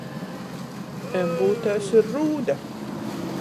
Embūtēs ir Rūde.